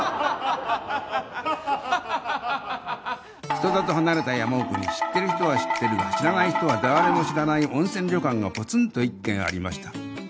人里離れた山奥に知ってる人は知ってるが知らない人はだーれも知らない温泉旅館がポツンと一軒ありました